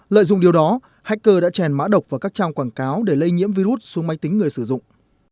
lợi dụng điều đó hacker đã trèn mã độc vào các trang quảng cáo để lây nhiễm virus xuống máy tính người sử dụng